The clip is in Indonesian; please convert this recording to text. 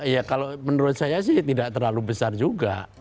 ya kalau menurut saya sih tidak terlalu besar juga